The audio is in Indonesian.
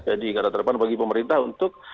jadi garah terdepan bagi pemerintah untuk